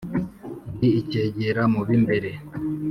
ndi icyegera mu bi mbere,